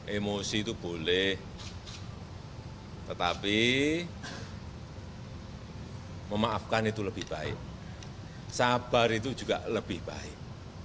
emosi itu boleh tetapi memaafkan itu lebih baik sabar itu juga lebih baik